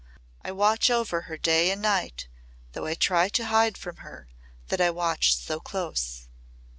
I watch over her day and night though I try to hide from her that I watch so close.